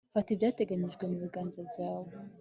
fata ibyateganijwe mu biganza byawe